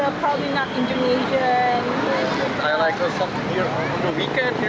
apa yang mereka lakukan